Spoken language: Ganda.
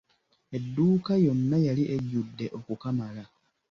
Edduuka yonna yali ejjudde okukamala!